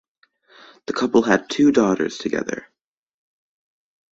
The couple had two daughters together.